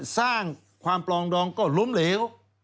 สร้างความปลองดองก็ล้มเหลว